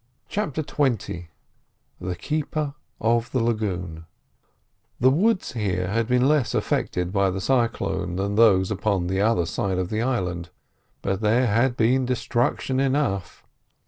CHAPTER XX THE KEEPER OF THE LAGOON The woods here had been less affected by the cyclone than those upon the other side of the island, but there had been destruction enough.